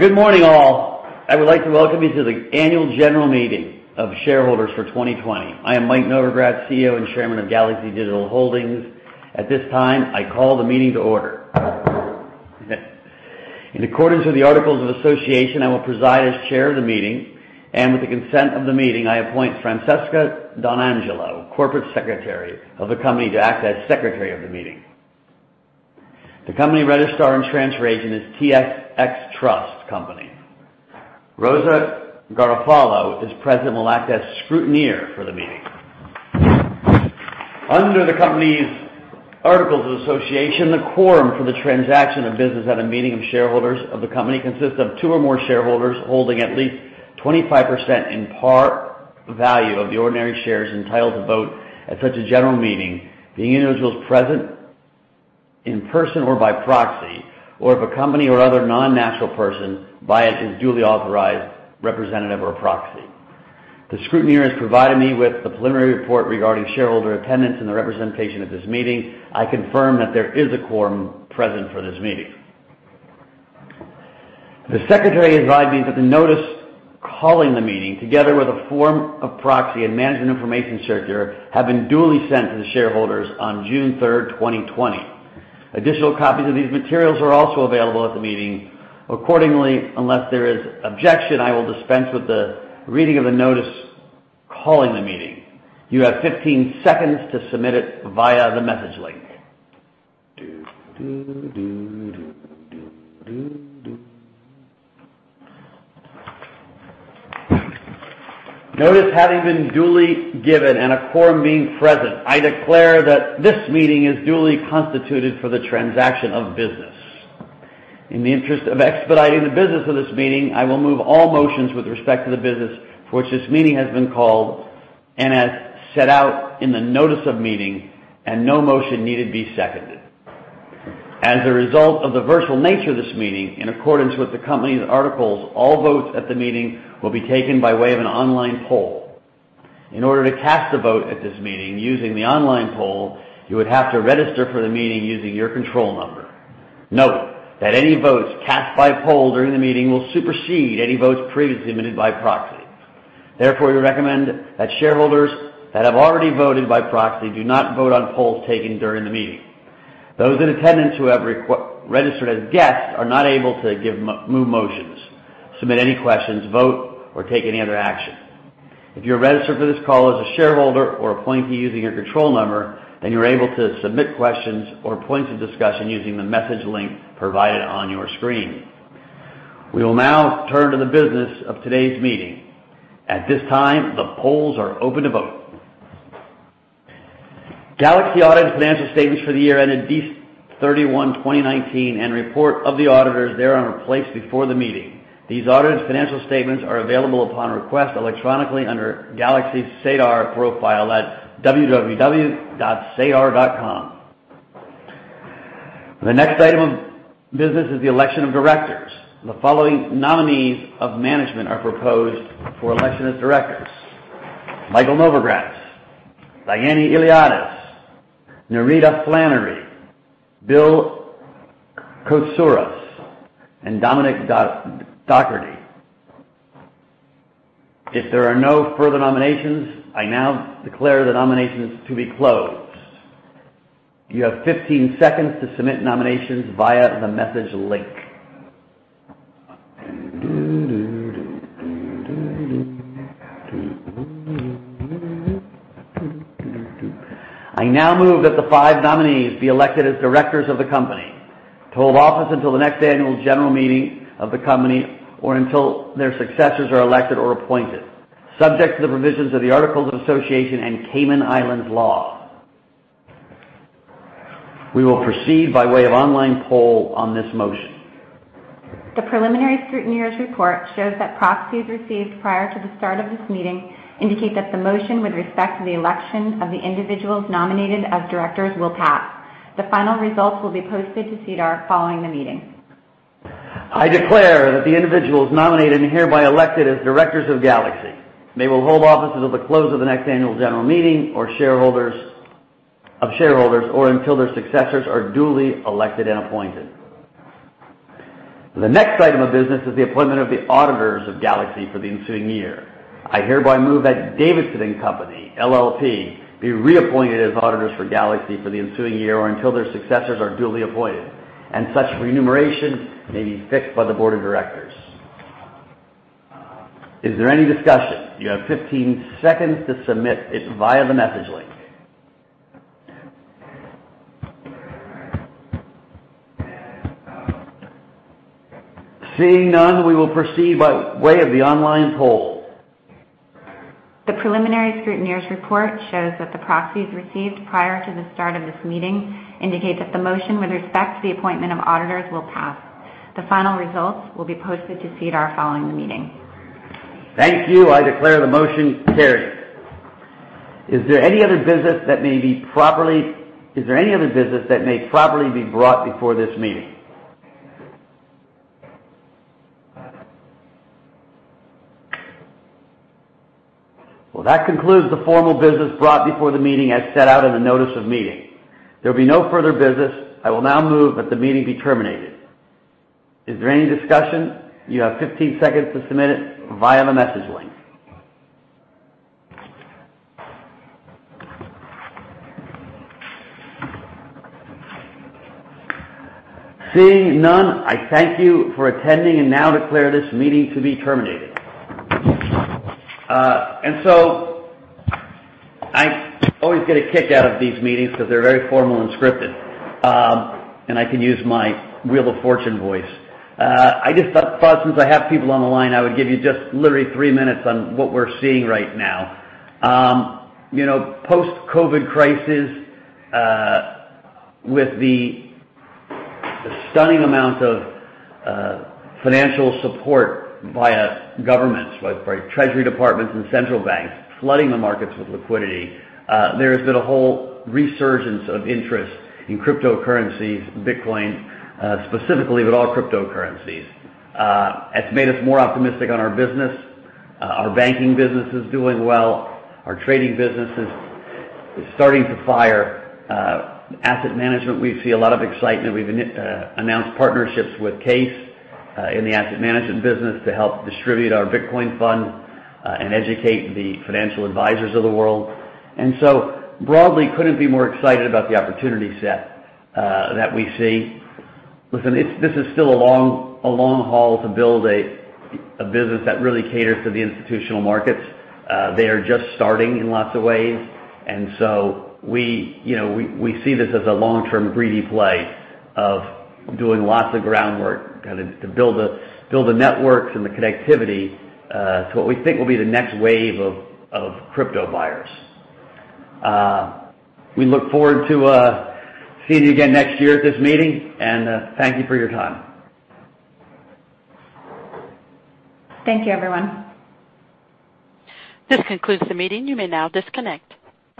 Good morning, all. I would like to Welcome you to the Annual General Meeting of Shareholders for 2020. I am Mike Novogratz, CEO and Chairman of Galaxy Digital Holdings. At this time, I call the meeting to order. In accordance with the Articles of Association, I will preside as Chair of the meeting, and with the consent of the meeting, I appoint Francesca Don Angelo, Corporate Secretary of the company, to act as Secretary of the meeting. The company registrar and transfer agent is TSX Trust Company. Rosa Garofalo is present and will act as scrutineer for the meeting. Under the company's Articles of Association, the quorum for the transaction of business at a meeting of shareholders of the company consists of two or more shareholders holding at least 25% in par value of the ordinary shares entitled to vote at such a general meeting, being individuals present in person or by proxy, or if a company or other non-natural person by its duly authorized representative or proxy. The scrutineer has provided me with the preliminary report regarding shareholder attendance and the representation at this meeting. I confirm that there is a quorum present for this meeting. The Secretary has advised me that the notice calling the meeting, together with a form of proxy and management information circular, have been duly sent to the shareholders on June 3rd, 2020. Additional copies of these materials are also available at the meeting. Accordingly, unless there is objection, I will dispense with the reading of the notice calling the meeting. You have 15 seconds to submit it via the message link. Notice having been duly given and a quorum being present, I declare that this meeting is duly constituted for the transaction of business. In the interest of expediting the business of this meeting, I will move all motions with respect to the business for which this meeting has been called and as set out in the notice of meeting, and no motion needed be seconded. As a result of the virtual nature of this meeting, in accordance with the company's articles, all votes at the meeting will be taken by way of an online poll. In order to cast a vote at this meeting using the online poll, you would have to register for the meeting using your control number. Note that any votes cast by poll during the meeting will supersede any votes previously admitted by proxy. Therefore, we recommend that shareholders that have already voted by proxy do not vote on polls taken during the meeting. Those in attendance who have registered as guests are not able to move motions, submit any questions, vote, or take any other action. If you're registered for this call as a shareholder or appointee using your control number, then you're able to submit questions or points of discussion using the message link provided on your screen. We will now turn to the business of today's meeting. At this time, the polls are open to vote. Galaxy auditors' financial statements for the year ended Dec 31, 2019, and report of the auditors thereon are placed before the meeting. These auditors' financial statements are available upon request electronically under Galaxy's SEDAR profile at www.sedar.com. The next item of business is the election of directors. The following nominees of management are proposed for election as directors: Michael Novogratz, Diane Iliadis, Nerida Flannery, Bill Koutsouras, and Dominic Dougherty. If there are no further nominations, I now declare the nominations to be closed. You have 15 seconds to submit nominations via the message link. I now move that the five nominees be elected as directors of the company, to hold office until the next annual general meeting of the company or until their successors are elected or appointed, subject to the provisions of the Articles of Association and Cayman Islands law. We will proceed by way of online poll on this motion. The preliminary scrutineer's report shows that proxies received prior to the start of this meeting indicate that the motion with respect to the election of the individuals nominated as directors will pass. The final results will be posted to SEDAR following the meeting. I declare that the individuals nominated and hereby elected as directors of Galaxy, they will hold offices at the close of the next annual general meeting of shareholders or until their successors are duly elected and appointed. The next item of business is the appointment of the auditors of Galaxy for the ensuing year. I hereby move that Davidson & Company LLP be reappointed as auditors for Galaxy for the ensuing year or until their successors are duly appointed, and such remuneration may be fixed by the board of directors. Is there any discussion? You have 15 seconds to submit it via the message link. Seeing none, we will proceed by way of the online poll. The preliminary scrutineer's report shows that the proxies received prior to the start of this meeting indicate that the motion with respect to the appointment of auditors will pass. The final results will be posted to SEDAR following the meeting. Thank you. I declare the motion carried. Is there any other business that may be properly - is there any other business that may properly be brought before this meeting? Well, that concludes the formal business brought before the meeting as set out in the notice of meeting. There will be no further business. I will now move that the meeting be terminated. Is there any discussion? You have 15 seconds to submit it via the message link. Seeing none, I thank you for attending and now declare this meeting to be terminated. And so I always get a kick out of these meetings because they're very formal and scripted, and I can use my Wheel of Fortune voice. I just thought since I have people on the line, I would give you just literally 3 minutes on what we're seeing right now. Post-COVID crisis with the stunning amount of financial support via governments, by treasury departments and central banks flooding the markets with liquidity, there has been a whole resurgence of interest in cryptocurrencies, Bitcoin specifically, but all cryptocurrencies. It's made us more optimistic on our business. Our banking business is doing well. Our trading business is starting to fire. Asset management, we see a lot of excitement. We've announced partnerships with CAIS in the asset management business to help distribute our Bitcoin fund and educate the financial advisors of the world. And so broadly, couldn't be more excited about the opportunity set that we see. Listen, this is still a long haul to build a business that really caters to the institutional markets. They are just starting in lots of ways. We see this as a long-term greedy play of doing lots of groundwork to build the networks and the connectivity to what we think will be the next wave of crypto buyers. We look forward to seeing you again next year at this meeting, and thank you for your time. Thank you, everyone. This concludes the meeting. You may now disconnect.